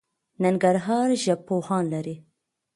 ننګرهار ژبپوهان لري